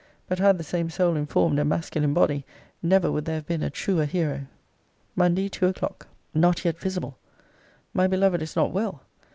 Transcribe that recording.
But had the same soul informed a masculine body, never would there have been a truer hero. MONDAY, TWO O'CLOCK. Not yet visible! My beloved is not well.